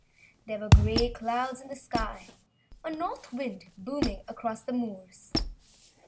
There were gray clouds in the sky, a north wind booming across the moors.